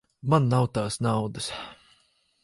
Man nav tās naudas.